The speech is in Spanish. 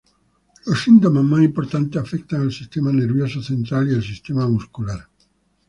Los síntomas más importantes afectan al sistema nervioso central y al sistema muscular.